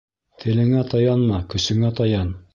Телеңә таянма, көсөңә таян